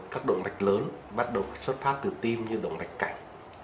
các động mạch lớn bắt đầu phải xuất phát từ tim như động mạch cảnh